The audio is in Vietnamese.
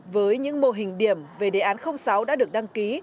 với những mô hình điểm về đề án sáu đã được đăng ký